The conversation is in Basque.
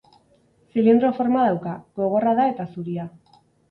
Zilindro forma dauka, gogorra da eta zuria.